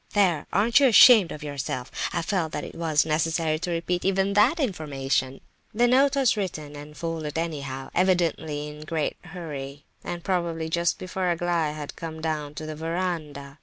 There! aren't you ashamed of yourself? I felt that it was necessary to repeat even that information." The note was written and folded anyhow, evidently in a great hurry, and probably just before Aglaya had come down to the verandah.